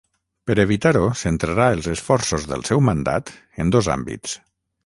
Per evitar-ho centrarà els esforços del seu mandat en dos àmbits.